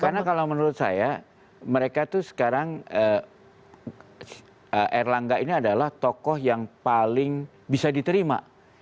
karena kalau menurut saya mereka itu sekarang erlangga ini adalah tokoh yang paling bisa diterima